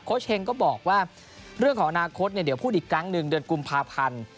เฮงก็บอกว่าเรื่องของอนาคตเดี๋ยวพูดอีกครั้งหนึ่งเดือนกุมภาพันธ์